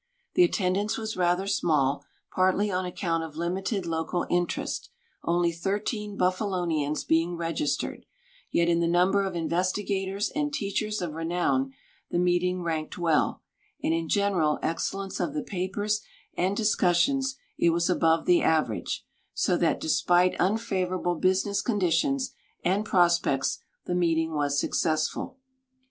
The attendance was rather small, partly on account of limited local interest, only thirteen Buffalonians being registered; yet in the number of investigators and teachers of renown the meeting ranked well, and in general excellence of the papers and discussions it was above the average, so that, despite unfavorable business conditions and prospects, the meeting was successful.